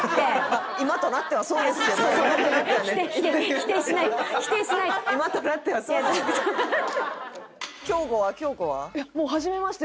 あっ初めまして？